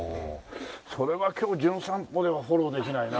それは今日『じゅん散歩』ではフォローできないな。